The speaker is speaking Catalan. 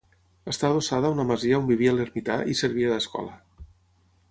Està adossada a una masia on vivia l'ermità i servia d'escola.